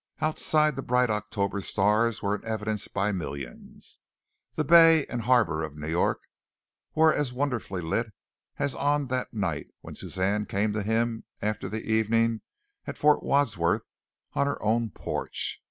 Outside the bright October stars were in evidence by millions. The Bay and Harbor of New York were as wonderfully lit as on that night when Suzanne came to him after the evening at Fort Wadsworth on her own porch.